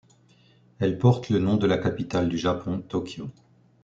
Elle porte le nom de la capitale du Japon, Tokyo.